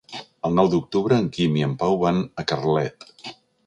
El nou d'octubre en Quim i en Pau van a Carlet.